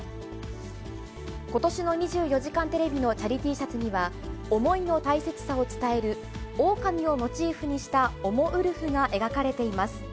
ことしの２４時間テレビのチャリＴシャツには、想いの大切さを伝える、オオカミをモチーフにしたおもウルフが描かれています。